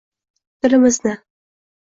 Dilimizni —